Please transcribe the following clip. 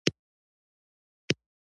پانګوال د ډېرې ګټې لپاره خپله پانګه صادروي